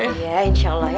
iya insya allah ya